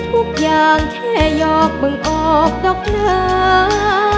ภูมิสุภาพยาบาลภูมิสุภาพยาบาล